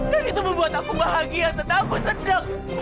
dan itu membuat aku bahagia tante aku sedang